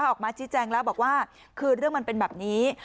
ออกมาชี้แจงแล้วบอกว่าคือเรื่องมันเป็นแบบนี้